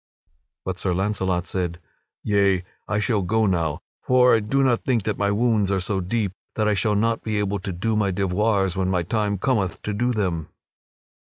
But Sir Launcelot said: "Yea, I shall go now; for I do not think that my wounds are so deep that I shall not be able to do my devoirs when my time cometh to do them."